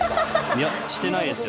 いやしてないですよ。